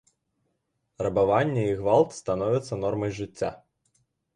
Рабаванне і гвалт становяцца нормай жыцця.